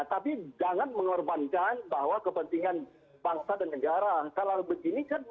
nah tapi jangan mengorbankan bahwa kepentingan dpr